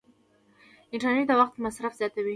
انټرنیټ د وخت مصرف زیاتوي.